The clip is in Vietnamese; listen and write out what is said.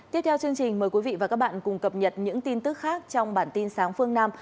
tiếp theo chương trình mời quý vị và các bạn cùng cập nhật những tin tức khác trong bản tin sáng phương nam